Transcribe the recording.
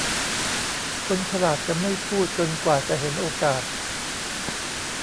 คนฉลาดจะไม่พูดจนกว่าจะเห็นโอกาส